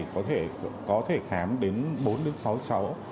có thể khám đến bốn đến sáu cháu